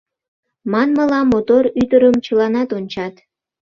Манмыла, мотор ӱдырым чыланат ончат.